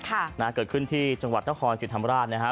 ค่ะนะฮะเกิดขึ้นที่จังหวัดนครศรีธรรมราชนะฮะ